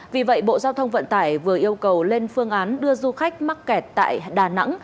vì vậy bộ giao thông vận tải vừa yêu cầu lên phương án đưa du khách mắc kẹt tại đà nẵng